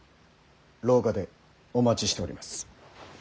廊下でお待ちしております。